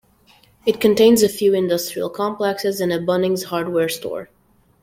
It contains a few industrial complexes and a Bunnings Hardware Store.